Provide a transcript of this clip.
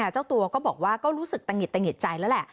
เจ้าตัวก็บอกว่าก็รู้สึกตะหิดตะหิดใจแล้วแหละ